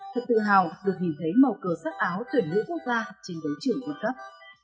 thật tự hào được nhìn thấy màu cờ sắc áo tuyển nữ quốc gia trên đấu trường quân cấp